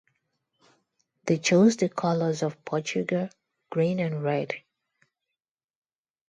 They chose the colors of Portugal: green and red.